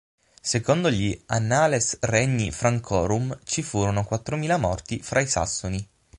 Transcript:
Secondo gli Annales Regni Francorum ci furono quattromila morti fra i sassoni.